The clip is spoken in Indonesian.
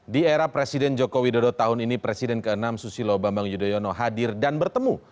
di era presiden joko widodo tahun ini presiden ke enam susilo bambang yudhoyono hadir dan bertemu